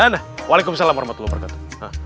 nah waalaikumsalam warahmatullahi wabarakatuh